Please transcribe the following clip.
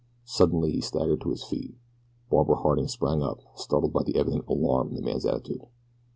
Suddenly he staggered to his feet. Barbara Harding sprang up, startled by the evident alarm in the man's attitude.